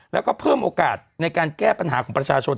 แล้วก็เพิ่มโอกาสในการแก้ปัญหาของประชาชน